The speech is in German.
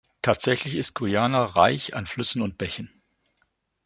Tatsächlich ist Guyana reich an Flüssen und Bächen.